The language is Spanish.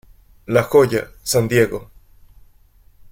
La Jolla, San Diego